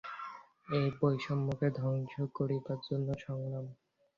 এই বৈষম্যকে ধ্বংস করিবার জন্যই সংগ্রাম।